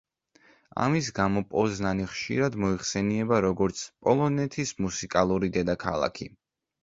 ამის გამო პოზნანი ხშირად მოიხსენიება, როგორც „პოლონეთის მუსიკალური დედაქალაქი“.